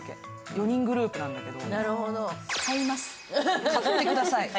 ４人グループなんだけど。